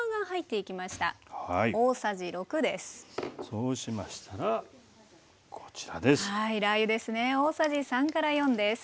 そうしましたらこちらです。